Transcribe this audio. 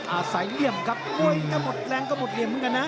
อ่าสายเหลี่ยมครับถ้าหมดแรงก็หมดเหลี่ยมเหมือนกันนะ